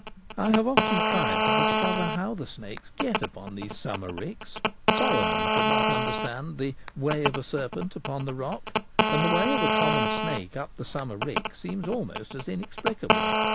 I have often tried to discover how the snakes get upon these summer ricks. Solomon could not understand the ' way of a serpent upon the rock/ and the way of a common snake up the summer rick seems almost as inexplicable.